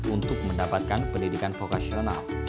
untuk mendapatkan pendidikan vokasional